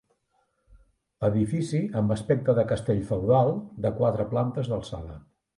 Edifici amb aspecte de castell feudal, de quatre plantes d'alçada.